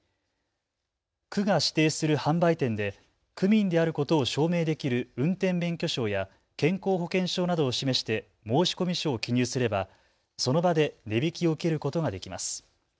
区が指定する販売店で区民であることを証明できる運転免許証や健康保険証など示して申込書を記入すれば、その場で値引きを受けることができます。